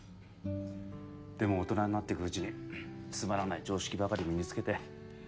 でも大人になっていくうちにつまらない常識ばかり身につけて。